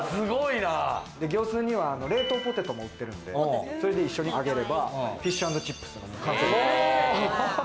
業スーには冷凍ポテトも売ってるんで、それで一緒に揚げればフィッシュ＆チップスの完成。